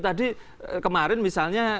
tadi kemarin misalnya